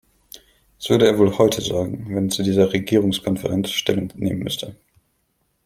Was würde er wohl heute sagen, wenn er zu dieser Regierungskonferenz Stellung nehmen müsste?